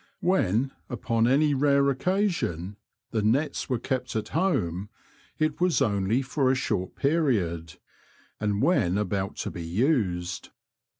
When, upon any rare occasion, the nets were kept at home, it was only for a short period, and when about to be used.